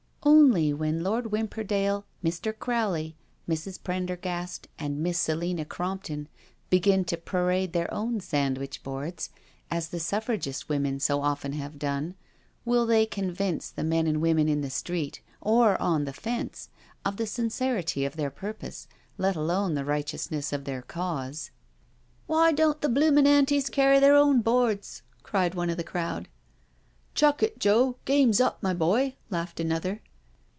Only when Lord Wimperdale, Mr. Crowley, Mrs. Prendergast and Miss Selina Crompton begin to parade their own sandwich boards, as the Suffragist women so often have done, will they convince the men and women in the street, or on the fence, of the sincerity of their purpose, let alone the righteousness of their Cause. *• Why don't the bloomin' * Antis * carry their own boards?" cried one of the crowd. •• Chuck it, Joe — ^game's up, my boy," laughed an other.